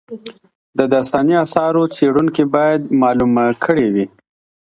د داستاني اثارو څېړونکي باید معلومه کړې وي.